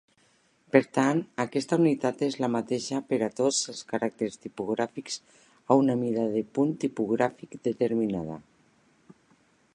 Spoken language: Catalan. Per tant, aquesta unitat és la mateixa per a tots els caràcters tipogràfics a una mida de punt tipogràfic determinada.